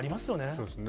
そうですね。